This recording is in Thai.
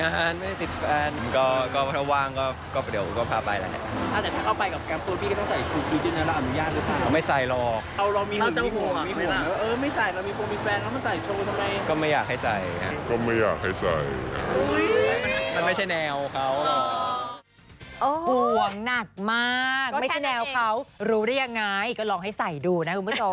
ห่วงหนักมากไม่ใช่แนวเขารู้ได้ยังไงก็ลองให้ใส่ดูนะคุณผู้ชม